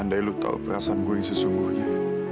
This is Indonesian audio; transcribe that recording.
andai lo tau perasaan gue yang sesungguhnya